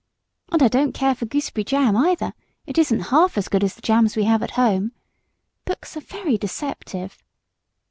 And I don't care for gooseberry jam, either; it isn't half as good as the jams we have at home. Books are very deceptive."